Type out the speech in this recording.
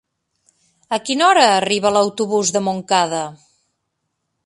A quina hora arriba l'autobús de Montcada?